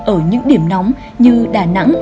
ở những điểm nóng như đà nẵng